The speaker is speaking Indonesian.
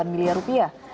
satu delapan miliar rupiah